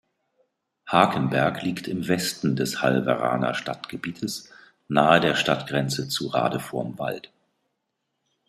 Hakenberg liegt im Westen des Halveraner Stadtgebietes nahe der Stadtgrenze zu Radevormwald.